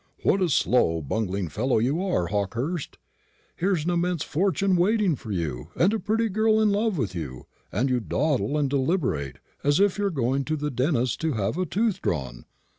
"What a slow, bungling fellow you are, Hawkehurst! Here is an immense fortune waiting for you, and a pretty girl in love with you, and you dawdle and deliberate as if you were going to the dentist's to have a tooth drawn.